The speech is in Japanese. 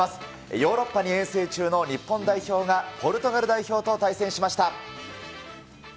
ヨーロッパに遠征中の日本代表がポルトガル代表と対戦しました。